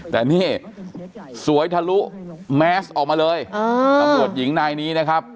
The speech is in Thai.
แต่นี่สวยทะลุแมสออกมาเลยตำรวจหญิงนายนี้นะครับ